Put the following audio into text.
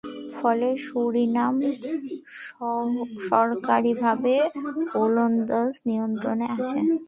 ফলে সুরিনাম সরকারীভাবে ওলন্দাজ নিয়ন্ত্রণে আসে।